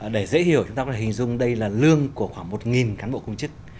để dễ hiểu chúng ta có thể hình dung đây là lương của khoảng một cán bộ công chức